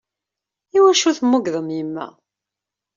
Iwacu temmugeḍ am yemma?